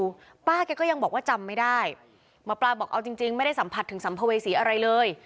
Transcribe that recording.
ป้าแกก็ยังบอกว่าจำไม่ได้หมอปลาบอกเอาจริงจริงไม่ได้สัมผัสถึงสัมภเวษีอะไรเลย